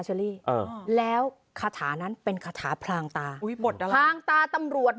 เชอรี่เออแล้วคาถานั้นเป็นคาถาพลางตาอุ้ยหมดอะไรพลางตาตำรวจ